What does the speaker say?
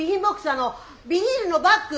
あのビニールのバッグ！